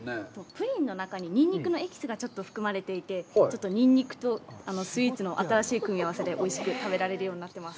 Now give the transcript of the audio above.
プリンの中にニンニクのエキスがちょっと含まれていて、ニンニクとスイーツの新しい組み合わせで、おいしく食べられるようになってます。